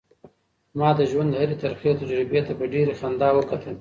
ما د ژوند هرې ترخې تجربې ته په ډېرې خندا وکتل.